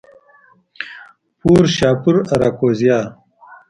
پورشاپور، آراکوزیا